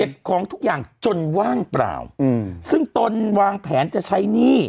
ของทุกอย่างจนว่างเปล่าอืมซึ่งตนวางแผนจะใช้หนี้